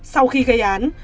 sau khi gây án